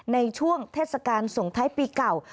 ในช่วงเทศกาลส่งท้ายปีเก่า